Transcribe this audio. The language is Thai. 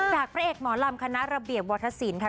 พระเอกหมอลำคณะระเบียบวัฒนศิลป์ค่ะ